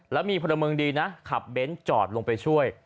แล้วมีผลมึงดีนะขับเบนซ์จอดลงไปช่วย